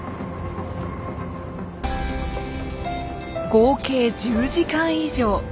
合計１０時間以上。